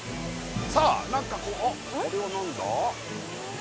さあ何かこれは何だ？